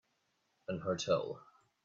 An hotel